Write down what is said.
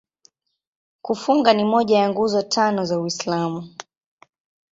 Kufunga ni moja ya Nguzo Tano za Uislamu.